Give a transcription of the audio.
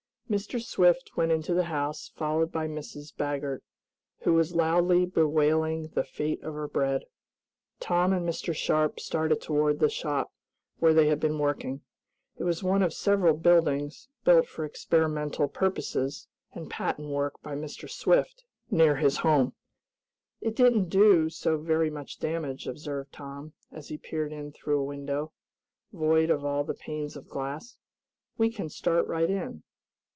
Mr. Swift went into the house, followed by Mrs. Baggert, who was loudly bewailing the fate of her bread. Tom and Mr. Sharp started toward the shop where they had been working. It was one of several buildings, built for experimental purposes and patent work by Mr. Swift, near his home. "It didn't do so very much damage," observed Tom, as he peered in through a window, void of all the panes of glass. "We can start right in."